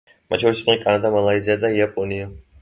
მათ შორის იყვნენ კანადა, მალაიზია და იაპონია.